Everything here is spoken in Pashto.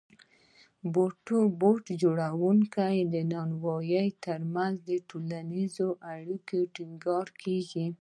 د بوټ جوړونکي او نانوای ترمنځ ټولنیزې اړیکې ټینګېږي